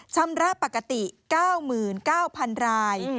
ชำระปกติ๙๙๐๐ราย